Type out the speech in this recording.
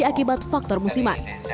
jadi akibat faktor musiman